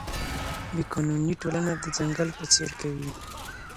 بې قانوني ټولنه د ځنګل په څېر کوي.